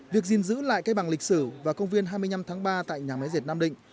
việc gìn giữ lại cây bằng lịch sử và công viên hai mươi năm tháng ba tại nhà máy dệt nam định